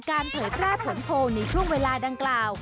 เผยแพร่ผลโพลในช่วงเวลาดังกล่าว